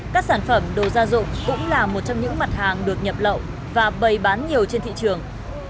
các sản phẩm đồ gia dụng cũng là một trong những mặt hàng được nhập lậu và bày bán nhiều trên thị trường